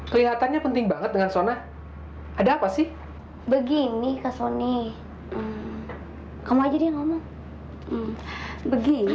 kelihatannya penting banget dengan sona ada apa sih begini kak soni kamu aja dia ngomong begini